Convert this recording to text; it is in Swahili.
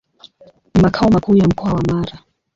Ni makao makuu ya Mkoa wa Mara.